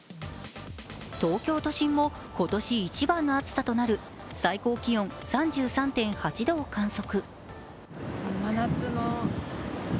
東京都心も今年一番の暑さとなる最高気温３３．８度を観測。